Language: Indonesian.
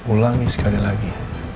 ulangi sekali lagi